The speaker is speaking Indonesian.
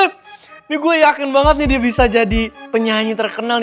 ini gue yakin banget nih dia bisa jadi penyanyi terkenal nih